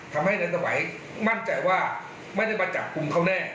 ทำให้ในสมัยมั่นใจว่าไม่ได้มาจับกลุ่มเขาแน่